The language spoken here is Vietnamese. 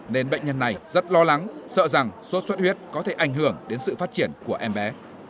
nên bệnh nhân này rất lo lắng sợ rằng sốt xuất huyết có thể ảnh hưởng đến sự phát triển của em bé